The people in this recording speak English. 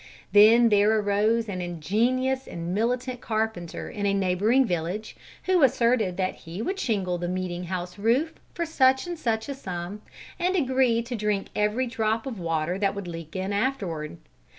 Then there arose an ingenious and militant carpenter in a neighbouring village, who asserted that he would shingle the meeting house roof for such and such a sum, and agree to drink every drop of water that would leak in afterward.